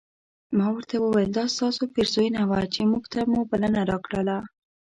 ما ورته وویل دا ستاسو پیرزوینه وه چې موږ ته مو بلنه راکړله.